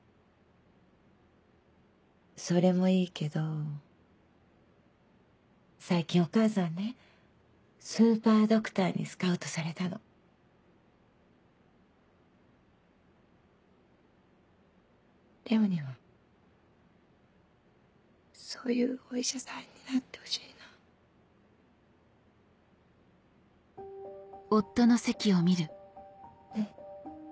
それもいいけど最近お母さんねスーパードクターにスカウトされたの怜央にはそういうお医者さんになってほしいなねっ